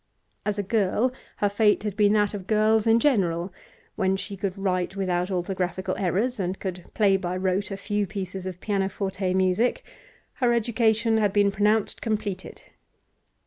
As a girl, her fate had been that of girls in general; when she could write without orthographical errors, and could play by rote a few pieces of pianoforte music, her education had been pronounced completed.